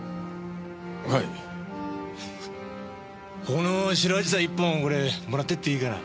ここの白紫陽花１本これもらってっていいかな？